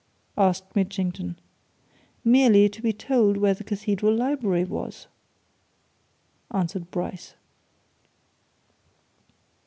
asked Mitchington. "Merely to be told where the Cathedral Library was," answered Bryce.